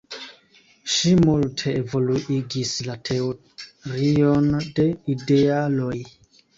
Ŝi multe evoluigis la teorion de idealoj.